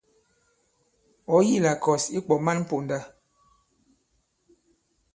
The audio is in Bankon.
Ɔ̀̌ yi la kɔ̀s ǐ kwɔ̀ man ponda.